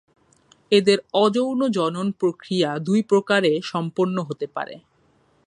এদের অযৌন জনন প্রক্রিয়া দুই প্রকারে সম্পন্ন হতে পারে।